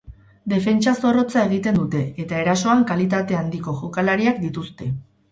Defentsa zorrotza egiten dute, eta erasoan kalitate handiko jokalariak dituzte.